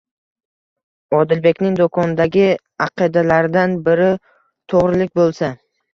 Odilbekning do'kondagi aqidalaridan biri to'g'rilik bo'lsa